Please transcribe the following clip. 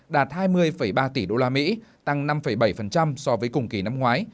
đạt hai mươi ba tỷ usd tăng năm bảy so với cùng kỳ năm ngoái